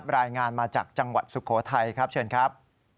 รายงานมาจากจังหวัดสุโขทัยครับเชิญครับ